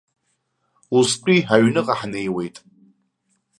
Устәи аҩныҟа ҳнеиуеит.